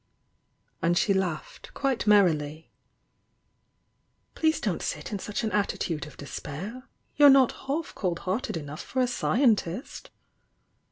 And she laughed, quite merrily. "Please don't sit in such an attitude of despair! — you're not half cold hearted enough for a scientist!"